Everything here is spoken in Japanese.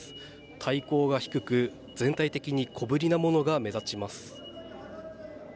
体高が低く全体的に小ぶりなものが目立ちます。